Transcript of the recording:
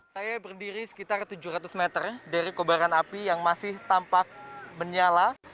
saya berdiri sekitar tujuh ratus meter dari kobaran api yang masih tampak menyala